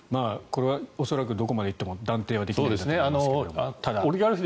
これは恐らくどこまで行っても断定はできないんだと思いますが。